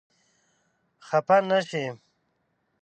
خپه نه شې.